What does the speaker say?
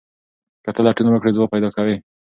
که ته لټون وکړې ځواب پیدا کوې.